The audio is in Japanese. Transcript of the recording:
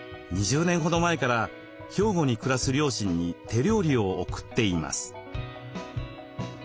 ２０年ほど前から兵庫に暮らす両親に手料理を送っています。